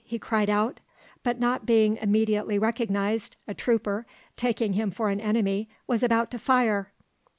he cried out; but not being immediately recognised, a trooper, taking him for an enemy, was about to fire.